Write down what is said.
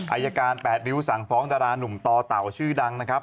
อายการ๘ริ้วสั่งฟ้องดารานุ่มต่อเต่าชื่อดังนะครับ